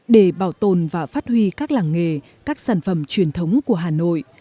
để bảo tồn và phát huy các làng nghề các sản phẩm truyền thống của hà nội